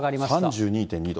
３２２度。